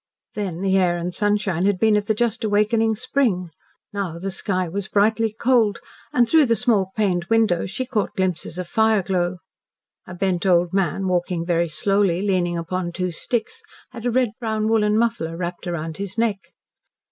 Then the air and sunshine had been of the just awakening spring, now the sky was brightly cold, and through the small paned windows she caught glimpses of fireglow. A bent old man walking very slowly, leaning upon two sticks, had a red brown woollen muffler wrapped round his neck.